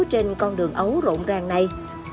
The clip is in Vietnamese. trên con đường ấu rộn ràng này